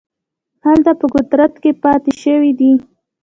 هلته په قدرت کې پاته شوي دي.